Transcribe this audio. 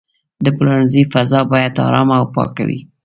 د پلورنځي فضا باید آرامه او پاکه وي.